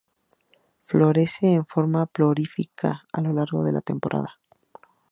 Florece en forma prolífica a lo largo de la temporada.